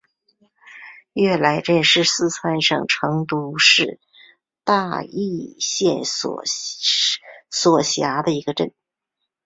悦来镇是四川省成都市大邑县所辖的一个镇。